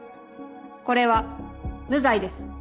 これは無罪です。